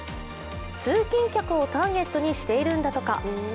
通勤客をターゲットにしているんだとか。